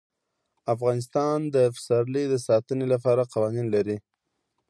افغانستان د پسرلی د ساتنې لپاره قوانین لري.